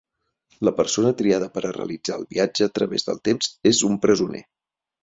La persona triada per a realitzar el viatge a través del temps és un presoner.